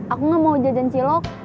aku gak mau jualan cilok